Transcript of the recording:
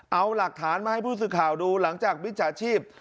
เอาหลักฐานมาให้ผู้สื่อข่าวดูหลังจากมิจฉาชีพ